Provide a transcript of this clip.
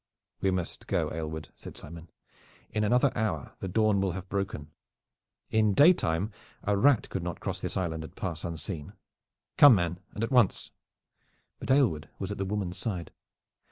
"We must go, Aylward," said Simon. "In another hour the dawn will have broken. In daytime a rat could not cross this island and pass unseen. Come, man, and at once!" But Aylward was at the woman's side.